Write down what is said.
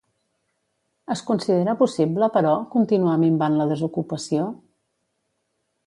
Es considera possible, però, continuar minvant la desocupació?